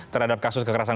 terhadap kasus kekerasanan